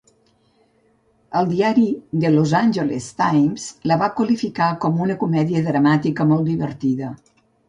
El diari The Los Angeles Times la va qualificar com "una comèdia dramàtica molt divertida".